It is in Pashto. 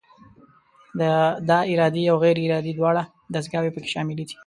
دا ارادي او غیر ارادي دواړه دستګاوې پکې شاملې دي.